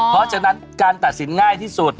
เพราะฉะนั้นการตัดสินง่ายที่สุด